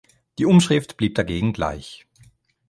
Die Umschrift blieb dagegen gleich.